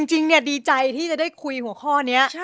จริงดีใจที่จะได้คุยหัวข้อนี้